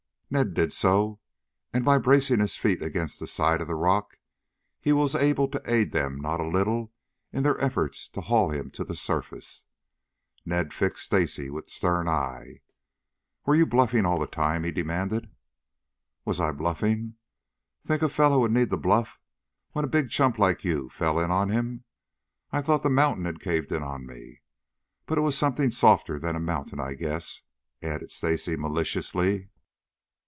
Ned did so, and by bracing his feet against the side of the rock he was able to aid them not a little in their efforts to haul him to the surface. Ned fixed Stacy with stern eye. "Were you bluffing all the time?" he demanded. "Was I bluffing? Think a fellow would need to bluff when a big chump like you fell in on him? I thought the mountain had caved in on me, but it was something softer than a mountain, I guess," added Stacy maliciously.